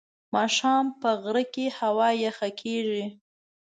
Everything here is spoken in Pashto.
ماښام په غره کې هوا یخه کېږي.